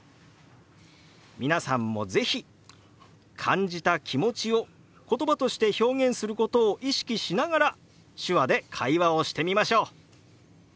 皆さんも是非感じた気持ちを言葉として表現することを意識しながら手話で会話をしてみましょう！